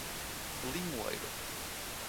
Limoeiro